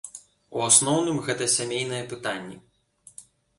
У асноўным, гэта сямейныя пытанні.